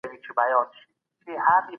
افغانستان به ځلیږي.